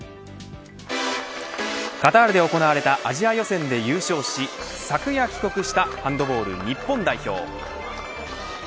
カタールで行われたアジア予選で優勝し昨夜帰国したハンドボール日本代表。